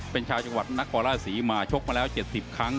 เป็นชาวจังหวัดนครราชศรีมาชกมาแล้ว๗๐ครั้ง